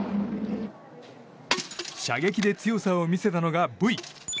射撃で強さを見せたのが、ブイ。